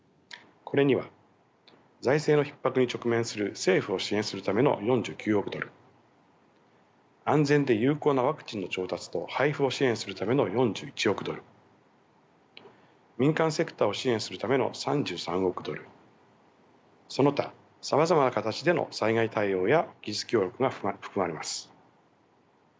これには財政のひっ迫に直面する政府を支援するための４９億ドル安全で有効なワクチンの調達と配布を支援するための４１億ドル民間セクターを支援するための３３億ドルその他さまざまな形での災害対応や技術協力が含まれます。